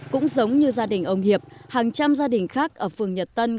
cũng giống như gia đình ông hiệp hàng trăm gia đình khác ở phường nhật tân